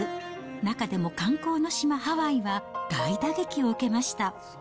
中でも観光の島、ハワイは大打撃を受けました。